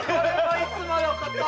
いつものことよ。